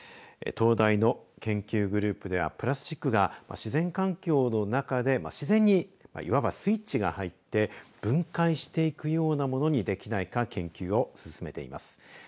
東大の研究グループではプラスチックが自然環境の中で自然に、いわばスイッチが入って分解していくようなものにできないか研究を進めています。